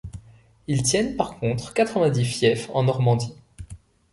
Ils tiennent par contre quatre-vingt-dix fiefs en Normandie.